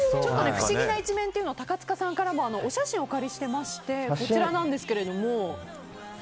不思議な一面を高塚さんからもお写真をお借りしてましてこちらなんですけど。